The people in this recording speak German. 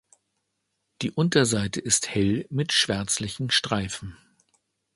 Die Unterseite ist hell mit schwärzlichen Streifen.